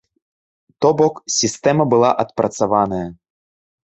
То бок, сістэма была адпрацаваная.